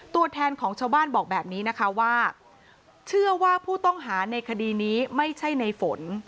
ตัวแทนของชาวบ้านบอกแบบนี้นะคะว่าเชื่อว่าผู้ต้องหาในคดีนี้ไม่ใช่ในฝน